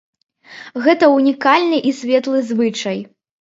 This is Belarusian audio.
Гэта ўнікальны і светлы звычай.